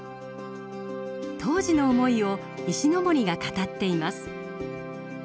当時の思いを石森が語っています。